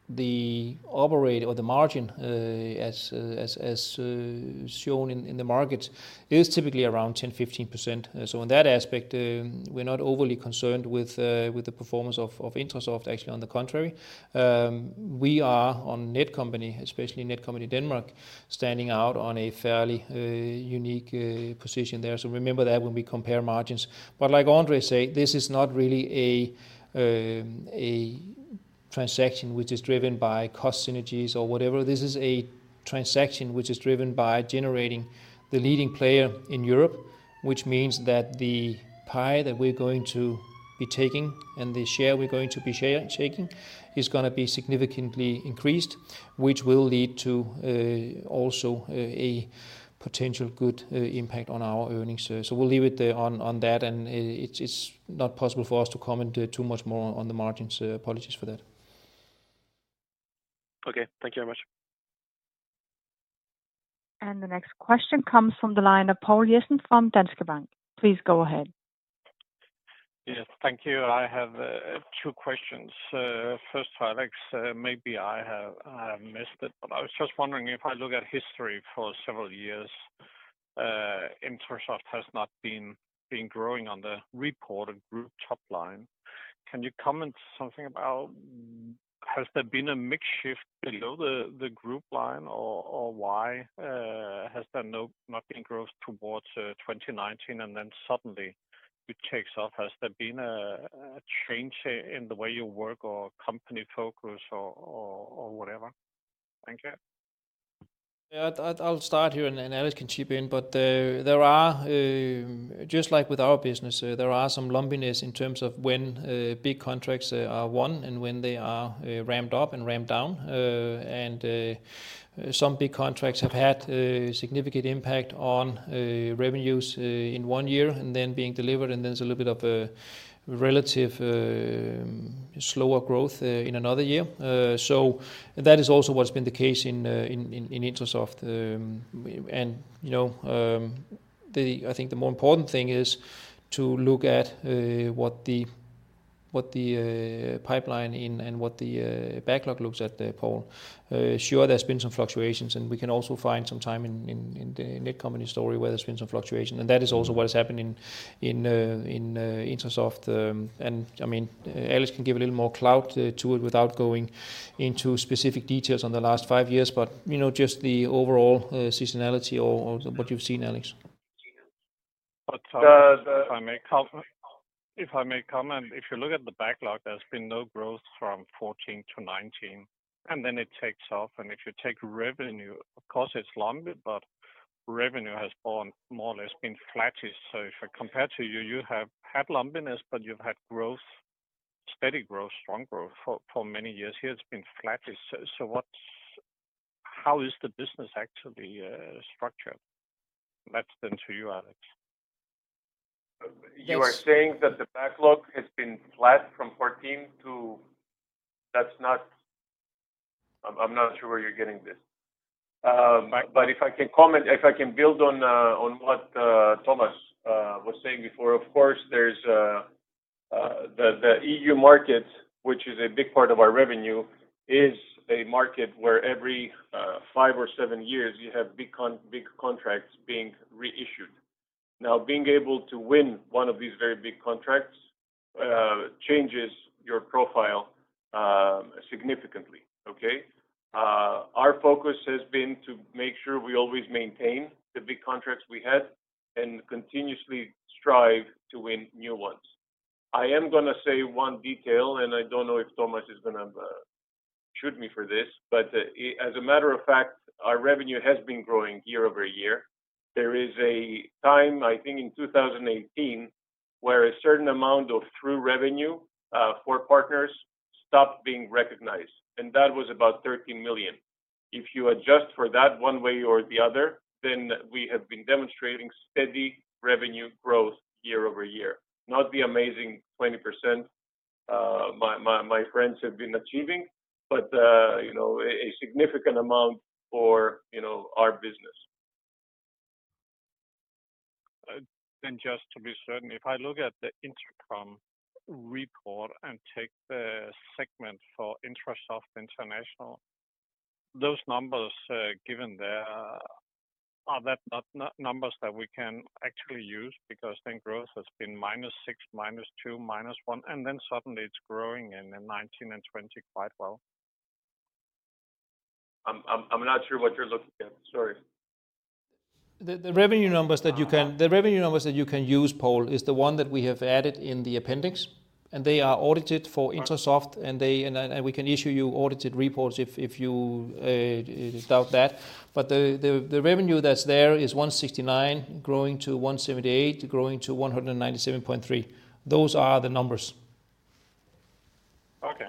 the operate or the margin, as shown in the market, is typically around 10%-15%. In that aspect, we're not overly concerned with the performance of Intrasoft. Actually, on the contrary. We are on Netcompany, especially Netcompany Denmark, standing out on a fairly unique position there. Remember that when we compare margins. Like André said, this is not really a transaction which is driven by cost synergies or whatever. This is a transaction which is driven by generating the leading player in Europe, which means that the pie that we're going to be taking and the share we're going to be taking is going to be significantly increased, which will lead to also a potential good impact on our earnings. We'll leave it there on that, and it's not possible for us to comment too much more on the margins. Apologies for that. Okay. Thank you very much. The next question comes from the line of Poul Jessen from Danske Bank. Please go ahead. Yes. Thank you. I have two questions. First of all, Alex, maybe I have missed it, but I was just wondering, if I look at history for several years, Intrasoft has not been growing on the reported group top line. Can you comment something about has there been a mix shift below the group line or why has there not been growth towards 2019 and then suddenly it takes off? Has there been a change in the way you work or company focus or whatever? Thank you. Yeah. I'll start here and Alex can chip in. Just like with our business, there are some lumpiness in terms of when big contracts are won and when they are ramped up and ramped down. Some big contracts have had a significant impact on revenues in one year and then being delivered, and there's a little bit of a relative slower growth in another year. That is also what's been the case in Intrasoft. I think the more important thing is to look at what the pipeline in and what the backlog looks at, Poul. Sure, there's been some fluctuations, and we can also find some time in the Netcompany story where there's been some fluctuation, and that is also what has happened in Intrasoft. Alex can give a little more clout to it without going into specific details on the last five years, but just the overall seasonality or what you've seen, Alex. If I may comment. If I may comment, if you look at the backlog, there's been no growth from 2014 to 2019, and then it takes off. If you take revenue, of course it's lumpy, but revenue has more or less been flattish. If I compare to you have had lumpiness, but you've had growth, steady growth, strong growth for many years. Here it's been flattish. How is the business actually structured? That's then to you, Alex. You are saying that the backlog has been flat from 2014 to I'm not sure where you're getting this. If I can comment, if I can build on what Thomas was saying before. Of course, the EU market, which is a big part of our revenue, is a market where every five or seven years you have big contracts being reissued. Being able to win one of these very big contracts changes your profile significantly. Okay. Our focus has been to make sure we always maintain the big contracts we had and continuously strive to win new ones. I am going to say one detail, and I don't know if Thomas is going to shoot me for this, but as a matter of fact, our revenue has been growing year-over-year. There is a time, I think, in 2018, where a certain amount of through revenue for partners stopped being recognized, and that was about 13 million. If you adjust for that one way or the other, we have been demonstrating steady revenue growth year-over-year. Not the amazing 20% my friends have been achieving, but a significant amount for our business. Just to be certain, if I look at the Intracom report and take the segment for Intrasoft International, those numbers given there, are that not numbers that we can actually use? Because then growth has been -6, -2, -1, and then suddenly it's growing in 2019 and 2020 quite well. I'm not sure what you're looking at. Sorry. The revenue numbers that you can use, Poul, is the one that we have added in the appendix, and they are audited for Intrasoft, and we can issue you audited reports if you doubt that. The revenue that's there is 169 growing to 178, growing to 197.3. Those are the numbers. Okay.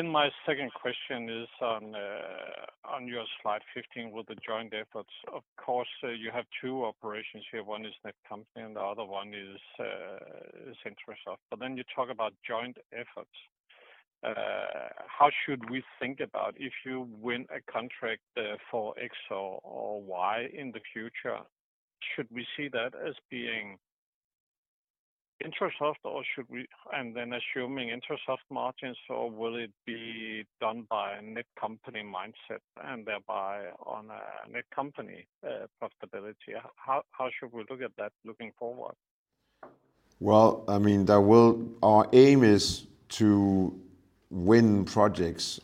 My second question is on your slide 15 with the joint efforts. Of course, you have two operations here. One is Netcompany and the other one is Intrasoft. You talk about joint efforts. How should we think about if you win a contract for X or Y in the future? Should we see that as being Intrasoft, and then assuming Intrasoft margins, or will it be done by a Netcompany mindset and thereby on a Netcompany profitability? How should we look at that looking forward? Well, our aim is to win projects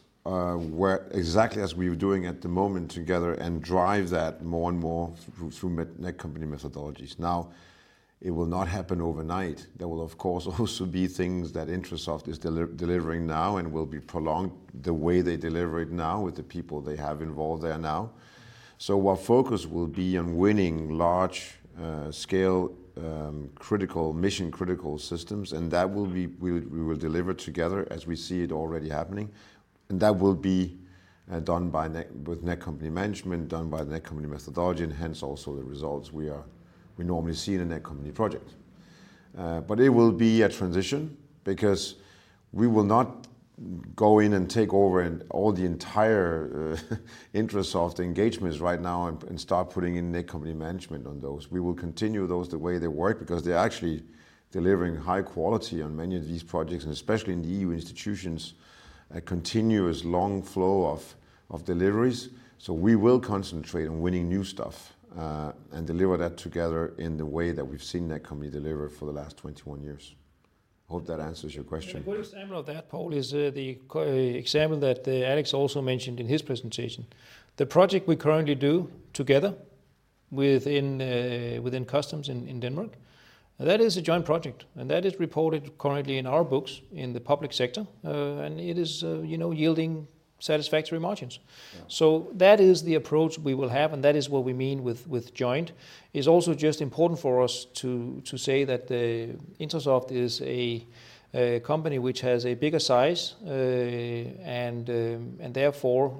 exactly as we are doing at the moment together and drive that more and more through Netcompany methodologies. Now, it will not happen overnight. There will, of course, also be things that Intrasoft is delivering now and will be prolonged the way they deliver it now with the people they have involved there now. Our focus will be on winning large-scale mission-critical systems, and that we will deliver together as we see it already happening. That will be done with Netcompany management, done by the Netcompany methodology, and hence also the results we normally see in a Netcompany project. It will be a transition because we will not go in and take over and all the entire Intrasoft engagements right now and start putting in Netcompany management on those. We will continue those the way they work because they're actually delivering high quality on many of these projects, and especially in the EU institutions, a continuous long flow of deliveries. We will concentrate on winning new stuff, and deliver that together in the way that we've seen Netcompany deliver for the last 21 years. Hope that answers your question? A good example of that, Poul, is the example that Alex also mentioned in his presentation. The project we currently do together within Customs in Denmark, that is a joint project. That is reported currently in our books in the public sector. It is yielding satisfactory margins. That is the approach we will have, and that is what we mean with joint. It's also just important for us to say that Intrasoft is a company which has a bigger size. Therefore,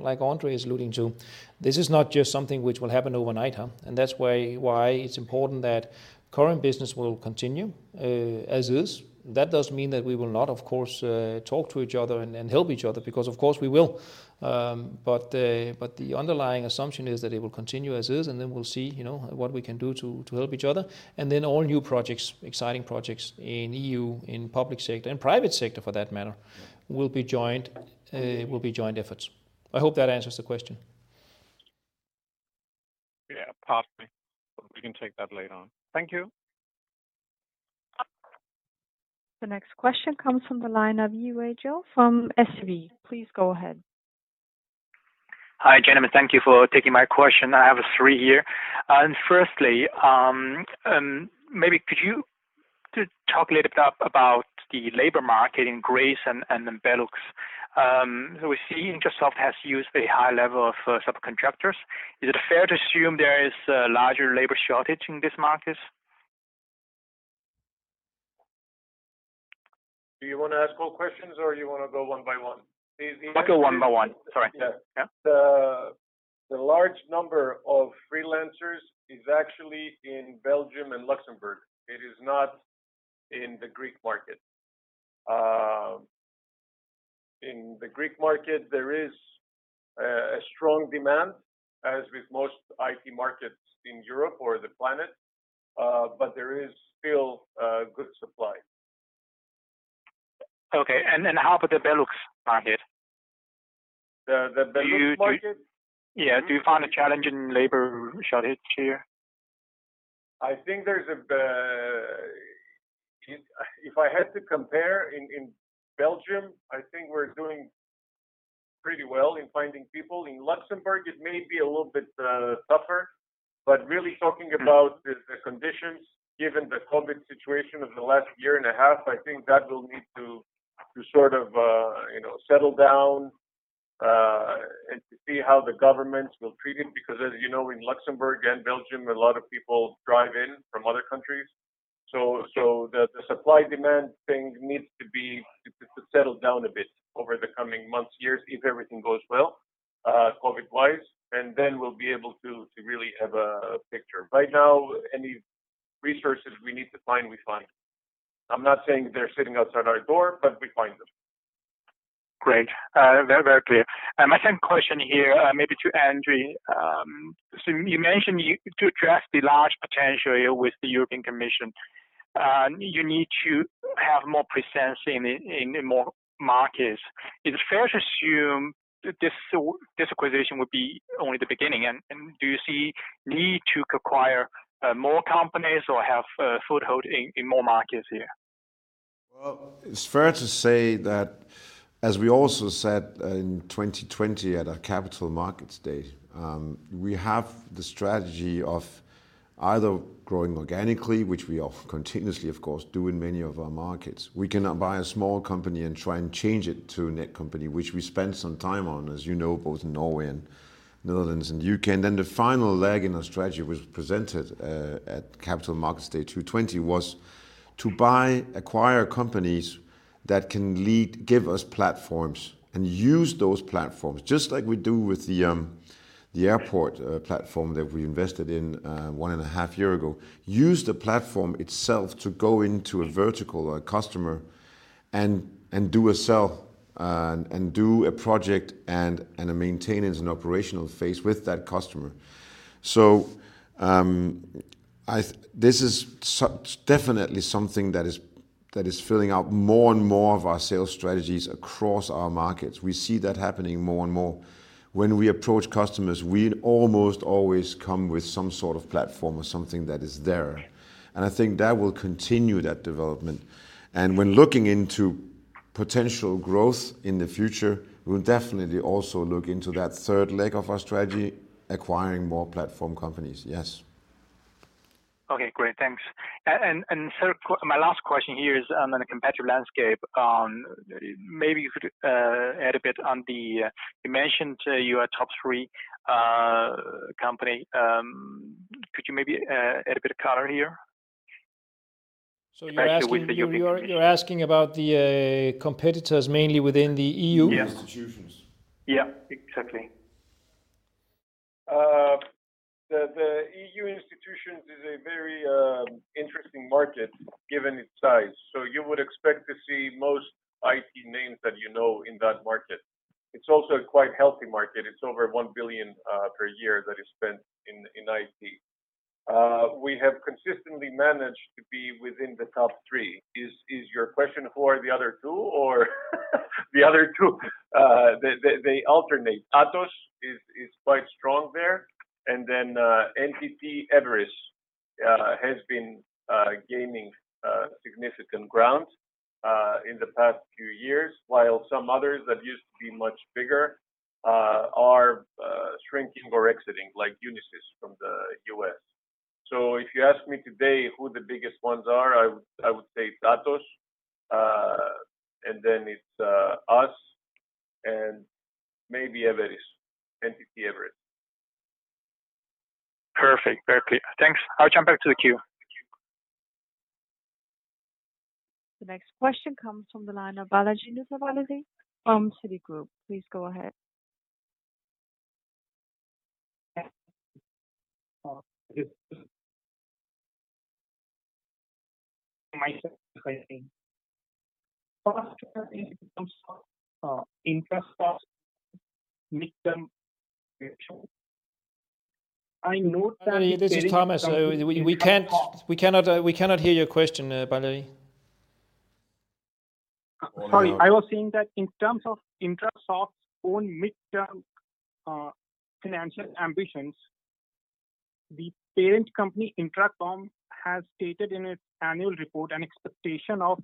like André is alluding to, this is not just something which will happen overnight. That's why it's important that current business will continue as is. That does mean that we will not, of course, talk to each other and help each other, because of course we will. The underlying assumption is that it will continue as is, then we'll see what we can do to help each other. Then all new projects, exciting projects in EU, in public sector, and private sector for that matter, will be joint efforts. I hope that answers the question. Yeah, partly. We can take that later on. Thank you. The next question comes from the line of Yiwei Zhou from SEB. Please go ahead. Hi, gentlemen. Thank you for taking my question. I have three here. Firstly, maybe could you talk a little bit about the labor market in Greece and then Benelux? We see Intrasoft has used a high level of subcontractors. Is it fair to assume there is a larger labor shortage in these markets? Do you want to ask all questions or you want to go one by one? I'll go one by one. Sorry. Yeah. Yeah. The large number of freelancers is actually in Belgium and Luxembourg. It is not in the Greek market. In the Greek market, there is a strong demand, as with most IT markets in Europe or the planet, but there is still a good supply. Okay. Then how about the Benelux market? The Benelux market? Yeah. Do you find a challenge in labor shortage here? If I had to compare in Belgium, I think we're doing pretty well in finding people. In Luxembourg, it may be a little bit tougher. Really talking about the conditions, given the COVID situation of the last year and a half, I think that will need to sort of settle down and to see how the governments will treat it because as you know, in Luxembourg and Belgium, a lot of people drive in from other countries. The supply-demand thing needs to settle down a bit over the coming months, years, if everything goes well COVID-wise, and then we'll be able to really have a picture. Right now, any resources we need to find, we find. I'm not saying they're sitting outside our door, but we find them. Great. Very clear. My second question here, maybe to André. You mentioned to address the large potential with the European Commission, you need to have more presence in more markets. Is it fair to assume this acquisition would be only the beginning? And do you see need to acquire more companies or have a foothold in more markets here? It's fair to say that as we also said in 2020 at our Capital Markets Day, we have the strategy of either growing organically, which we are continuously, of course, do in many of our markets. We can now buy a small company and try and change it to a Netcompany, which we spent some time on, as you know, both in Norway and Netherlands and U.K. The final leg in our strategy was presented at Capital Markets Day 2020 was to acquire companies that can give us platforms and use those platforms, just like we do with the airport platform that we invested in 1 and a half year ago. Use the platform itself to go into a vertical or a customer and do a sell and do a project and a maintenance and operational phase with that customer. This is definitely something that is filling out more and more of our sales strategies across our markets. We see that happening more and more. When we approach customers, we'd almost always come with some sort of platform or something that is there. I think that will continue that development. When looking into potential growth in the future, we'll definitely also look into that third leg of our strategy, acquiring more platform companies. Yes. Okay, great. Thanks. Third, my last question here is on a competitive landscape. Maybe you could add a bit on the, you mentioned you are a top three company. Could you maybe add a bit of color here? Especially with the European. You're asking about the competitors mainly within the EU? The institutions. Yeah, exactly. EU institutions is a very interesting market, given its size. You would expect to see most IT names that you know in that market. It is also a quite healthy market. It is over 1 billion per year that is spent in IT. We have consistently managed to be within the top three. Is your question who are the other two, or? The other two, they alternate. Atos is quite strong there. NTT Everis has been gaining significant ground in the past few years, while some others that used to be much bigger are shrinking or exiting, like Unisys from the U.S. If you ask me today who the biggest ones are, I would say Atos, and then it is us, and maybe Everis, NTT Everis. Perfect. Very clear. Thanks. I'll jump back to the queue. The next question comes from the line of Balajee Tirupati from Citigroup. Please go ahead. Balajee, this is Thomas. We cannot hear your question, Balajee. Sorry. I was saying that in terms of Intrasoft's own midterm financial ambitions, the parent company, Intracom, has stated in its annual report an expectation of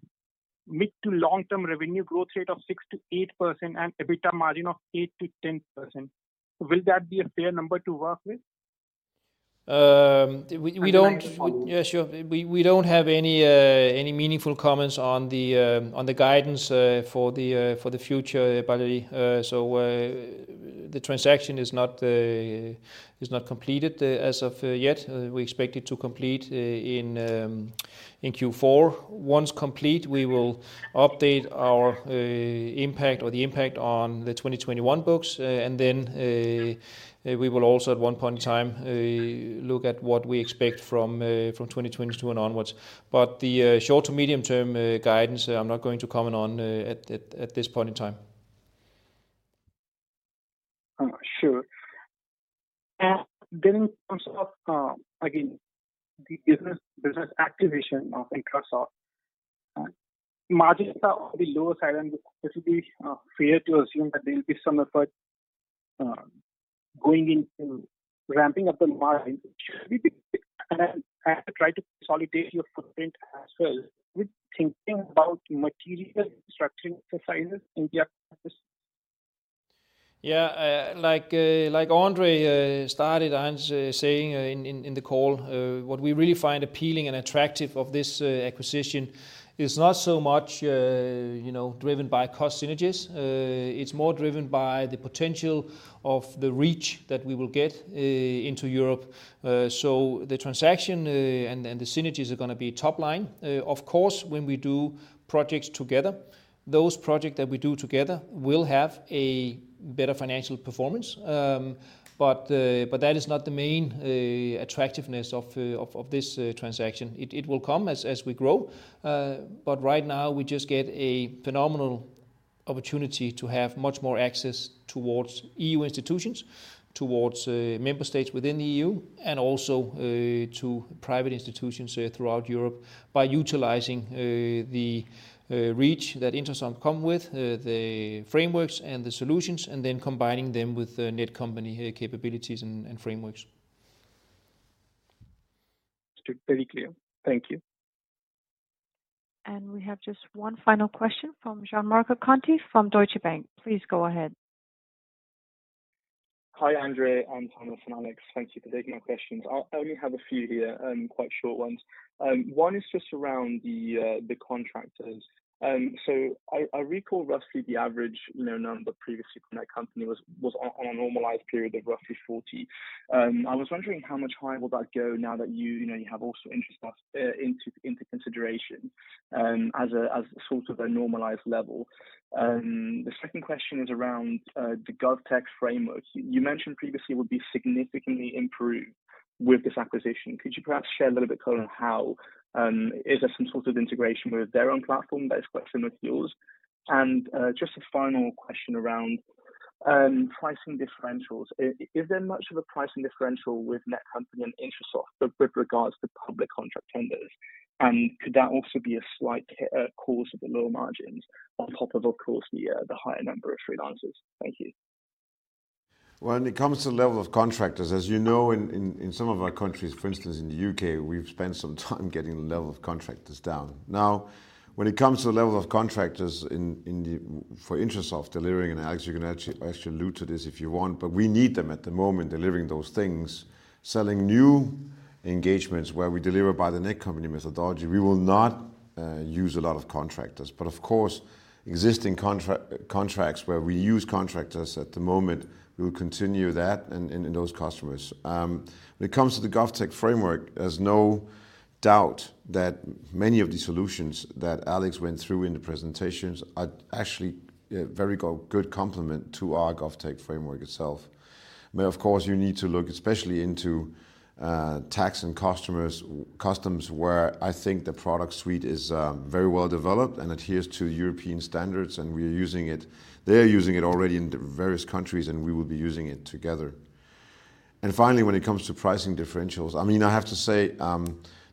mid to long-term revenue growth rate of 6%-8% and EBITDA margin of 8%-10%. Will that be a fair number to work with? The next one. Sure. We don't have any meaningful comments on the guidance for the future, Balajee. The transaction is not completed as of yet. We expect it to complete in Q4. Once complete, we will update our impact or the impact on the 2021 books, and then we will also, at one point in time, look at what we expect from 2022 and onwards. The short to medium-term guidance, I'm not going to comment on at this point in time. Sure. In terms of, again, the business acquisition of Intrasoft, margins are on the lower side. Would it be fair to assume that there'll be some effort going into ramping up the margin? Should we be and try to consolidate your footprint as well? We're thinking about material structuring exercises in the app space. Yeah. Like André started saying in the call, what we really find appealing and attractive of this acquisition is not so much driven by cost synergies. It's more driven by the potential of the reach that we will get into Europe. The transaction and the synergies are going to be top line. Of course, when we do projects together, those projects that we do together will have a better financial performance. That is not the main attractiveness of this transaction. It will come as we grow. Right now, we just get a phenomenal opportunity to have much more access towards EU institutions, towards member states within the EU, and also to private institutions throughout Europe by utilizing the reach that Intrasoft comes with, the frameworks and the solutions, and then combining them with Netcompany capabilities and frameworks. Very clear. Thank you. We have just one final question from Gianmarco Conti from Deutsche Bank. Please go ahead. Hi, André and Thomas and Alex. Thank you for taking my questions. I only have a few here, quite short ones. One is just around the contractors. I recall roughly the average number previously from Netcompany was on a normalized period of roughly 40. I was wondering how much higher will that go now that you have also Intrasoft into consideration as sort of a normalized level. The second question is around the GovTech Framework. You mentioned previously would be significantly improved with this acquisition. Could you perhaps share a little bit color on how? Is there some sort of integration with their own platform that is quite similar to yours? Just a final question around pricing differentials. Is there much of a pricing differential with Netcompany and Intrasoft with regards to public contract tenders? Could that also be a slight cause of the low margins on top of course, the higher number of freelancers? Thank you. When it comes to level of contractors, as you know, in some of our countries, for instance, in the U.K., we've spent some time getting the level of contractors down. Now, when it comes to the level of contractors for Intrasoft delivering, and Alex, you can actually allude to this if you want, but we need them at the moment delivering those things. Selling new engagements where we deliver by the Netcompany methodology, we will not use a lot of contractors. Of course, existing contracts where we use contractors at the moment, we will continue that and those customers. When it comes to the GovTech Framework, there's no doubt that many of the solutions that Alex went through in the presentations are actually a very good complement to our GovTech Framework itself. Of course, you need to look especially into Tax and Customs, where I think the product suite is very well developed and adheres to European standards, and we are using it. They are using it already in various countries, and we will be using it together. Finally, when it comes to pricing differentials, I have to say,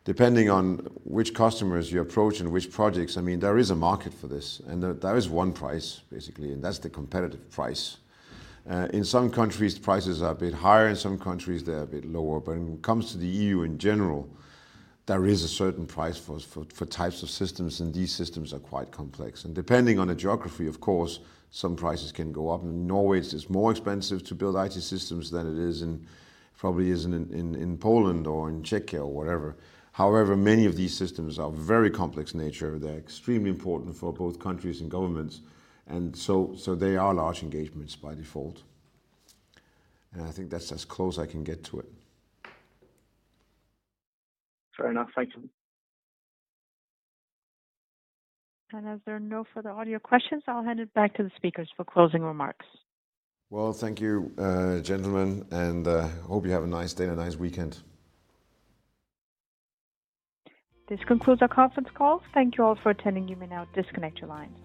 depending on which customers you approach and which projects, there is a market for this, and there is one price, basically, and that's the competitive price. In some countries, prices are a bit higher. In some countries, they're a bit lower. When it comes to the EU in general, there is a certain price for types of systems, and these systems are quite complex. Depending on the geography, of course, some prices can go up. In Norway, it's more expensive to build IT systems than it is in Poland or in Czechia or wherever. Many of these systems are very complex in nature. They're extremely important for both countries and governments, and so they are large engagements by default. I think that's as close I can get to it. Fair enough. Thank you. As there are no further audio questions, I will hand it back to the speakers for closing remarks. Well, thank you, gentlemen, and hope you have a nice day and a nice weekend. This concludes our conference call. Thank you all for attending. You may now disconnect your lines.